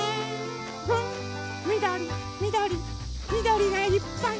みどりみどりみどりがいっぱい！